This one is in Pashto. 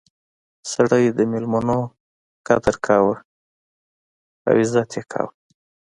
سړی د میلمنو قدر کاوه او عزت یې کاوه.